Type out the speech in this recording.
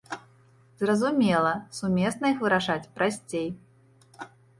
Зразумела, сумесна іх вырашаць прасцей.